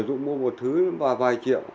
dụ mua một thứ vài triệu